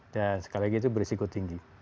dan sekali lagi itu berisiko tinggi